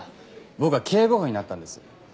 僕は警部補になったんです。